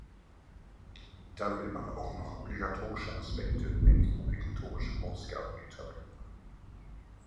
Da will man auch noch obligatorische Aspekte, nämlich obligatorische Ausgaben etablieren.